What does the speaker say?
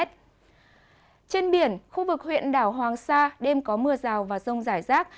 trên biển khu vực huyện đảo hoàng sa đêm có mưa rào và rông rải rác